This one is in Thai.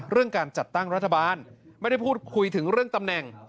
การจัดตั้งรัฐบาลไม่ได้พูดคุยถึงเรื่องตำแหน่ง